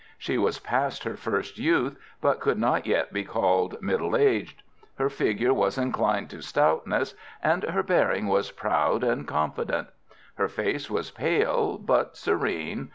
She was past her first youth, but could not yet be called middle aged. Her figure was inclined to stoutness, and her bearing was proud and confident. Her face was pale, but serene.